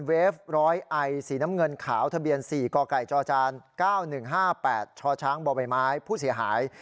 เฟฟร้อยไอสีน้ำเงินขาวทะเบียน๔กไก่จจ๙๑๕๘ชชบ่อใบไม้ผู้เสียหาย